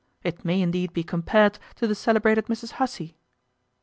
It may indeed be compared to the celebrated Mrs Hussey.